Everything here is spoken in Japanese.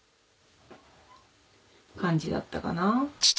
感じだったかな。